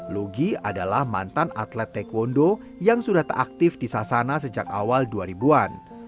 lugi adalah mantan atlet taekwondo yang sudah tak aktif di sasana sejak awal dua ribu an